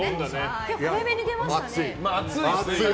早めに出ましたね。